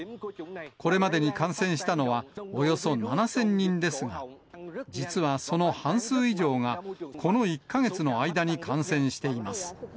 これまでに感染したのは、およそ７０００人ですが、実はその半数以上が、この１か月の間に感染しています。